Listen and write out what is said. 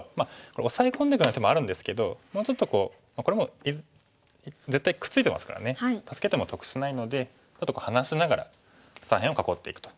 これオサエ込んでいくような手もあるんですけどもうちょっとこうこれも絶対くっついてますからね助けても得しないのでちょっと離しながら左辺を囲っていくと。